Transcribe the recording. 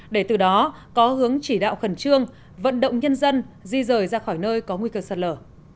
để từ đó có hướng chỉ đạo khẩn trương vận động nhân dân di rời ra khỏi nơi có nguy cơ sạt lở